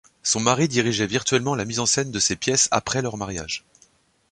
Son mari dirigeait virtuellement la mise en scène de ses pièces après leur mariage.